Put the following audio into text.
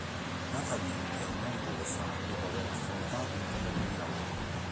Natalie è nervosa dopo aver affrontato un colloquio di lavoro.